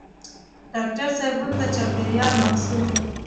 ډاکټر صېب هم د چاپېریال محصول دی.